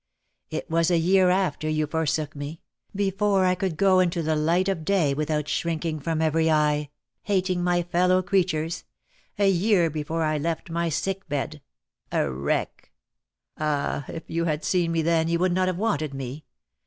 It was a year after you forsook me — be fore I could go into the light of day without shrink ing from every eye — hating my fellow creatures — a year before I left my sick bed — a wreck! Ah, if you had seen me then you would not have wanted me.